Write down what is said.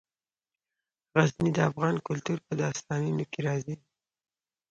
غزني د افغان کلتور په داستانونو کې راځي.